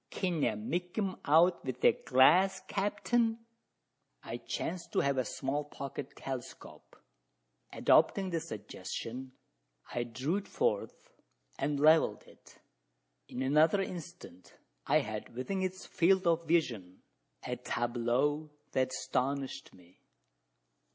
"Kin ye make 'em out wi' your glass, capt'n?" I chanced to have a small pocket telescope. Adopting the suggestion, I drew it forth, and levelled it. In another instant, I had within its field of vision a tableau that astonished me.